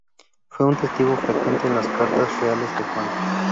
Fue un testigo frecuente en las cartas reales de Juan.